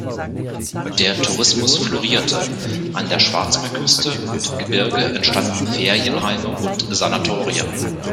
Der Tourismus florierte: an der Schwarzmeerküste und im Gebirge entstanden Ferienheime und Sanatorien.